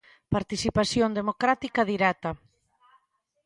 Participación Democrática Directa.